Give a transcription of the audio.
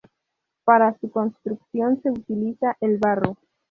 Para su construcción se utiliza el barro.